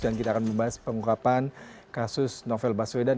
dan kita akan membahas pengukapan kasus novel baswedan